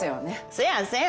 せやせや。